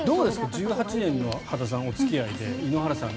１８年のお付き合いで井ノ原さん